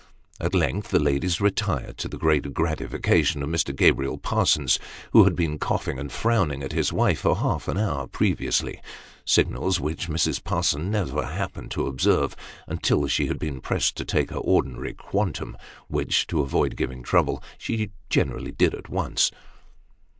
At length, the ladies retired, to the great gratification of Mr. Gabriel Parsons, who had been coughing and frowning at his wife, for half an hour previously signals which Mrs. Parsons never happened to observe, until she had been pressed to take her ordinary quantum, which, to avoid giving trouble, she generally did at once.